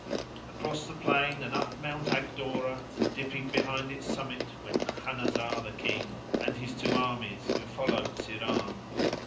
Across the plain and up Mount Agdora, and dipping beyond its summit went Khanazar the King, and his two armies who followed Syrahn.